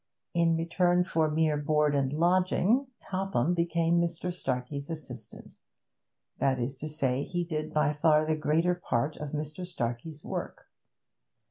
In return for mere board and lodging Topham became Mr. Starkey's assistant; that is to say, he did by far the greater part of Mr. Starkey's work.